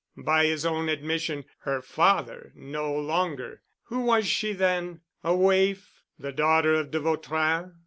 By his own admission—her father no longer. Who was she then? A waif? The daughter of de Vautrin?